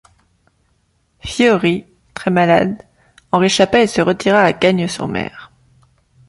Fiori, très malade, en réchappa et se retira à Cagnes-sur-Mer.